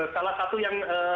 salah satu yang